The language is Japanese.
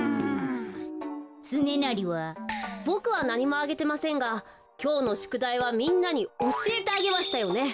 ボクはなにもあげてませんがきょうのしゅくだいはみんなにおしえてあげましたよね。